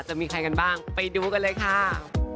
จะมีใครกันบ้างไปดูกันเลยค่ะ